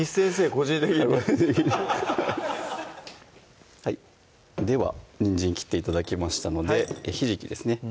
個人的にはいではにんじん切って頂きましたのでひじきですね